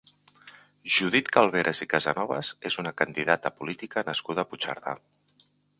Judit Calveras i Casanovas és una candidata política nascuda a Puigcerdà.